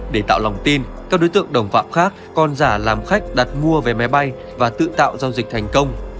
để tạo lòng tin các đối tượng đồng phạm khác còn giả làm khách đặt mua vé máy bay và tự tạo giao dịch thành công